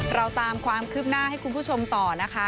เราตามความคืบหน้าให้คุณผู้ชมต่อนะคะ